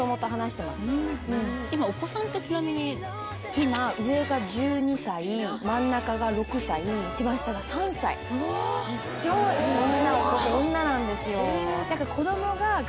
今お子さんってちなみに今上が１２歳真ん中が６歳一番下が３歳すごい女男女なんですよ